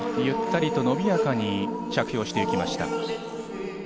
ゆったりと伸びやかに着氷していきました。